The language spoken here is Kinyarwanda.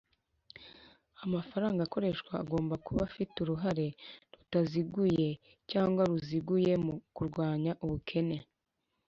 amafaranga akoreshwa agomba kuba afite uruhare rutaziguye cyangwa ruziguye mu kurwanya ubukene.